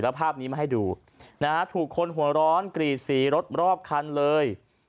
ภาพนี้มาให้ดูนะฮะถูกคนหัวร้อนกรีดสีรถรอบคันเลย